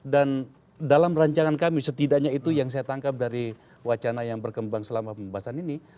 dan dalam rancangan kami setidaknya itu yang saya tangkap dari wacana yang berkembang selama pembahasan ini